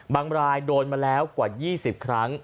บางรายโดนมาแล้วกว่า๒๐ครั้ง